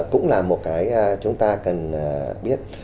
cũng là một cái chúng ta cần biết